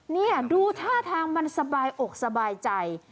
นี่ดูท่าทางมันสบายอกสบายใจ